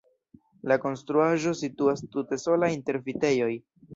La konstruaĵo situas tute sola inter vitejoj.